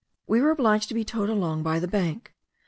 We were obliged to be towed along by the bank.